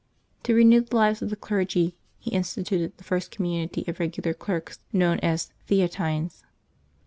To renew the lives of the clergy, he instituted the first com munity of Regular Clerks, known as Theatines.